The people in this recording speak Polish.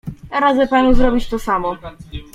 Radzę panu zrobić to samo.